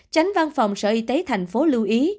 tránh văn phòng sở y tế thành phố lưu ý